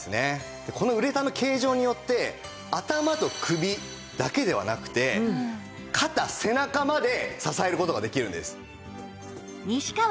このウレタンの形状によって頭と首だけではなくて肩背中まで支える事ができるんです。